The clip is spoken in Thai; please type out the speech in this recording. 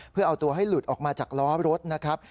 เพื่อเอาตัวให้หลุดออกมาจากล้อรถนะครับ